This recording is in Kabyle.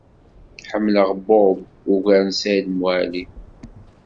Ḥemmleɣ Bob ugar n Saɛid Waɛli.